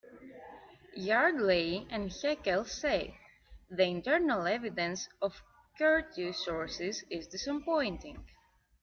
Yardley and Heckel say: The internal evidence for Curtius' sources is disappointing.